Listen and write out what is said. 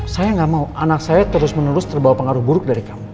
saya gak mau anak saya terus menerus terbawa pengaruh buruk dari kamu